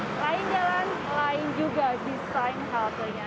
selain jalan lain juga desain haltenya